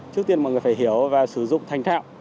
trước tiên mọi người phải hiểu và sử dụng thành thạo